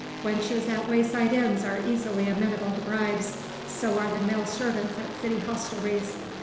Wenches at wayside inns are easily amenable to bribes, so are the male servants at city hostelries.